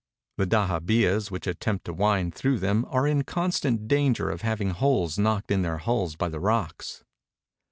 The dahaheahs which attempt to wind through them are in constant danger of having holes knocked in their hulls by the rocks.